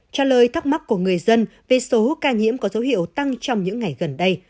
trả lời thắc mắc của người dân về số ca nhiễm có dấu hiệu tăng trong những ngày gần đây